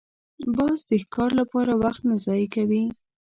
باز د ښکار لپاره وخت نه ضایع کوي